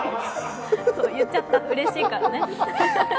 言っちゃったうれしいからね。